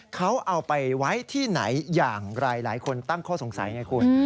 เขาเอาไปไว้ที่ไหนอย่างไรหลายคนตั้งข้อสงสัยไงคุณ